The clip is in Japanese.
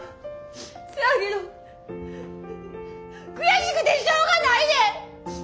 せやけど悔しくてしょうがないねん！